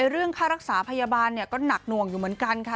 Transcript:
เรื่องค่ารักษาพยาบาลก็หนักหน่วงอยู่เหมือนกันค่ะ